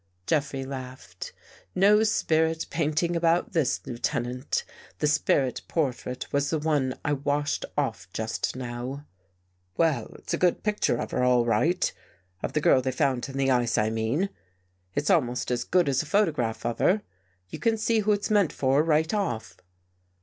Jeffrey laughed. " No spirit painting about this, Lieutenant. The spirit portrait was the one I washed off just now." "Well, it's a good picture of her, all right — of the girl they found in the ice, I mean. It's almost as good as a photograph of her. You can see who it's meant for right off."